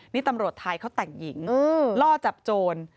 นี่ตำรวจไทยเขาแต่งหญิงล่อจับโจร